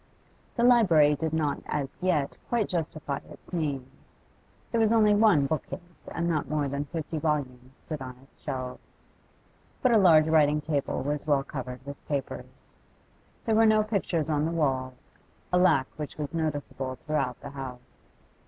The library did not as yet quite justify its name. There was only one bookcase, and not more than fifty volumes stood on its shelves. But a large writing table was well covered with papers. There were no pictures on the walls, a lack which was noticeable throughout the house.